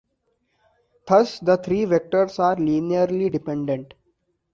Thus, the three vectors are linearly dependent.